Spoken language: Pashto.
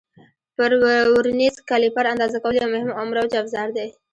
پر ورنیز کالیپر اندازه کول یو مهم او مروج افزار دی.